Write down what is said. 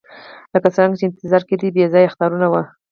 لکه څرنګه چې انتظار یې کېدی بې ځایه اخطارونه وو.